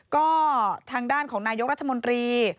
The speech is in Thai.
ก็ทางด้านของนายกรัฐมนตรี